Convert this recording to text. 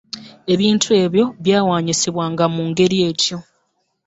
Ebintu ebyo byawanyisibwanga mu ngeri etyo.